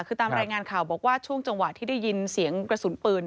คือตามรายงานข่าวบอกว่าช่วงจังหวะที่ได้ยินเสียงกระสุนปืน